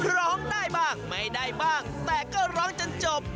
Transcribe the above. ร้องได้บ้างไม่ได้บ้างแต่ก็ร้องจนจบ